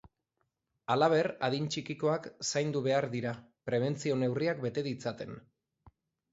Halaber, adin txikikoak zaindu behar dira, prebentzio neurriak bete ditzaten.